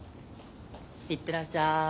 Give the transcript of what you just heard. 行ってらっしゃい！